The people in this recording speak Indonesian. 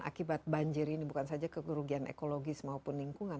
akibat banjir ini bukan saja kegerugian ekologis maupun lingkungan